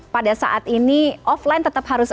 pada saat ini offline tetap harus